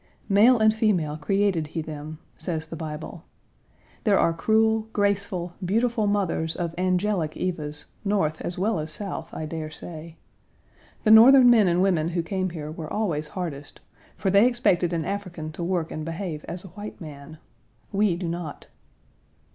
"Male and female, created he them," says the Bible. There are cruel, graceful, beautiful mothers of angelic Evas North as well as South, I dare say. The Northern men and women who came here were always hardest, for they expected an African to work and behave as a white man. We do not.